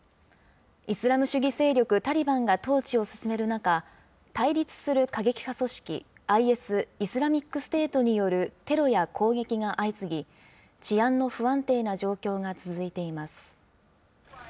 イスラム主義勢力タリバンが統治を進める中、対立する過激派組織ＩＳ・イスラミックステートによるテロや攻撃が相次ぎ、治安の不安定な状況が続いています。